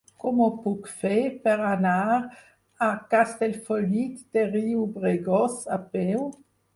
Com ho puc fer per anar a Castellfollit de Riubregós a peu?